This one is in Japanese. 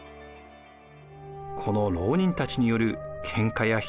この牢人たちによるけんかや人斬りが横行。